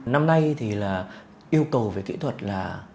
năm nay thì là yêu cầu về kỹ thuật là